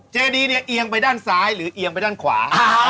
เจดีเนี่ยเอียงไปด้านซ้ายหรือเอียงไปด้านขวา